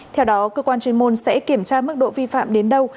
theo đó cơ quan chuyên môn sẽ kiểm tra mức độ vi phạm đến đâu